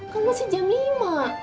kan masih jam lima